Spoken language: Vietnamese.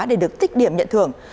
để được tích điểm nhận thưởng